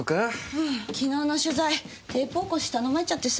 うん昨日の取材テープ起こし頼まれちゃってさ。